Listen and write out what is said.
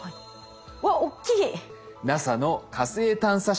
わっ大きい！